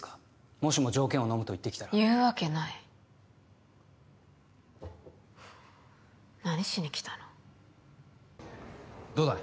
もしも条件をのむと言ってきたら言うわけない何しに来たのどうだ？